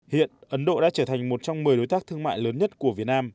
hiện ấn độ đã trở thành một trong một mươi đối tác thương mại lớn nhất của việt nam